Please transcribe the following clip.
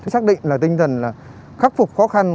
xác định là tinh thần khắc phục khó khăn